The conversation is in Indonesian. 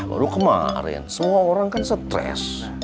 baru kemarin semua orang kan stres